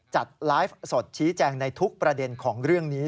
จัดไลฟ์สดชี้แจงในทุกประเด็นของเรื่องนี้